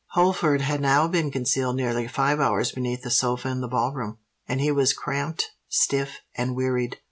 Holford had now been concealed nearly five hours beneath the sofa in the ball room; and he was cramped, stiff, and wearied.